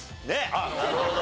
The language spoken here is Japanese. あっなるほど。